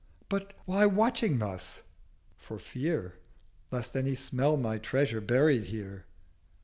'—'But why watching thus?'—'For fear Lest any smell my Treasure buried here.'